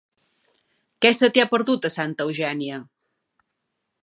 Què se t'hi ha perdut, a Santa Eugènia?